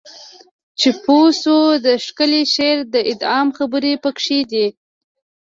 چې پوه شو د ښکلی شعر د اعدام خبر پکې دی